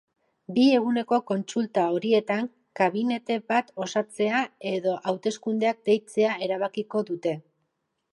Bi eguneko kontsulta horietan kabinete bat osatzea edo hauteskundeak deitzea erabakiko dute.